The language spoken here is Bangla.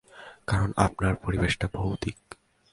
কারণ, আপনার পরিবেশটা ভৌতিক।